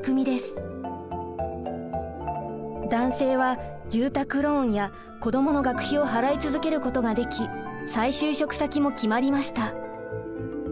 男性は住宅ローンや子どもの学費を払い続けることができ再就職先も決まりました。